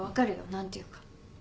何て言うか。